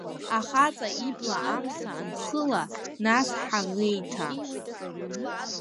Ахаҵа ибла амса анхыла, нас ҳаӷеиҭа…